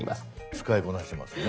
使いこなしてますね。